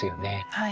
はい。